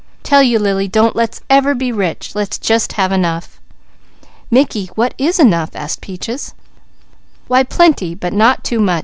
"Tell you Lily, don't let's ever be rich! Let's just have enough." "Mickey, what is 'enough?'" asked Peaches. "Why plenty, but not too much!"